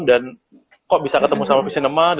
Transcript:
dan kok bisa ketemu sama vision nema